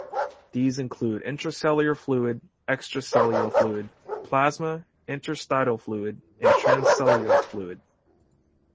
These include intracellular fluid; extracellular fluid; plasma; interstitial fluid; and transcellular fluid.